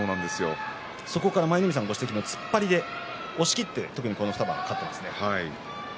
そこからは、舞の海さんご存じの突っ張りで押しきってこの２番勝っています。